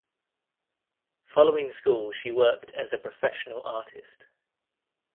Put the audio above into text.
Following school she worked as a professional artist.